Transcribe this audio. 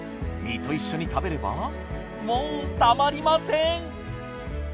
身と一緒に食べればもうたまりません。